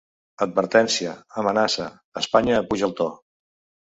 Advertència’, ‘amenaça’, ‘Espanya apuja el to’.